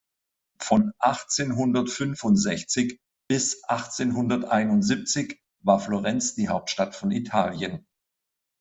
Von achtzehnhundertfünfundsechzig bis achtzehnhunderteinundsiebzig war Florenz die Hauptstadt von Italien.